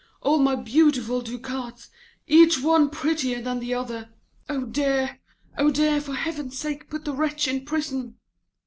All my beautiful ducats, each one prettier than the other. Oh dear! Oh dear! For heaven's sake, put the wretch in prison.'